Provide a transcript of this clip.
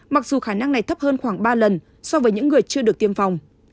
mặc dù khả năng này thấp hơn khoảng ba lần so với những người chưa được tiêm phòng